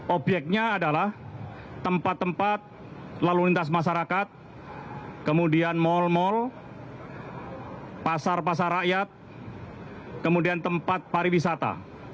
obyeknya adalah tempat tempat lalu lintas masyarakat kemudian mal mal pasar pasar rakyat kemudian tempat pariwisata